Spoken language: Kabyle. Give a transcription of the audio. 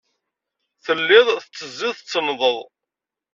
Telliḍ tettezziḍ, tettennḍeḍ.